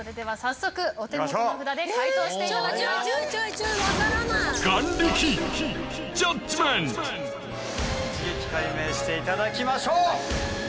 一撃解明していただきましょう！